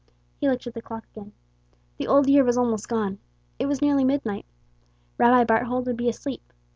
He looked at the clock again. The old year was almost gone. It was nearly midnight. Rabbi Barthold would be asleep.